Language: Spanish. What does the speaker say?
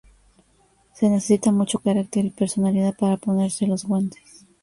Se necesita mucho carácter y personalidad para ponerse los guantes.